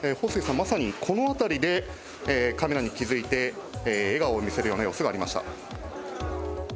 まさにこの辺りでカメラに気づいて、笑顔を見せるような様子がありました。